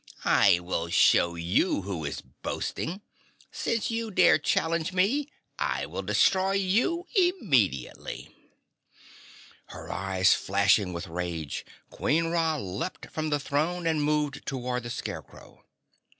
"I will show you who is boasting. Since you dare challenge me, I will destroy you immediately!" Her eyes flashing with rage, Queen Ra leaped from the throne and moved toward the Scarecrow.